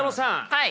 はい。